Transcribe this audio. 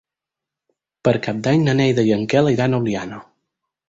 Per Cap d'Any na Neida i en Quel iran a Oliana.